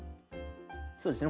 そうですね